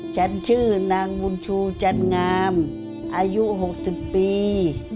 ฉันชื่อนางบุญชูจันงามอายุ๖๐ปี